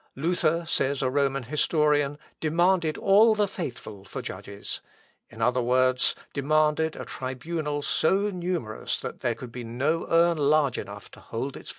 "Luther," says a Roman historian, "demanded all the faithful for judges in other words, demanded a tribunal so numerous that there could be no urn large enough to hold its votes."